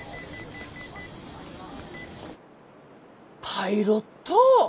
パイロット？